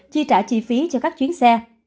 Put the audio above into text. chi trả chi phí cho các chuyến xe